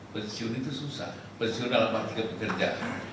peninosal itu susah penistur dalam bantuan kerja